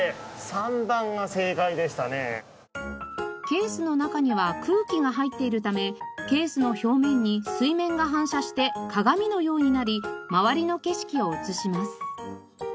ケースの中には空気が入っているためケースの表面に水面が反射して鏡のようになり周りの景色を映します。